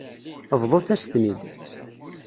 Bḍut-as-ten-id.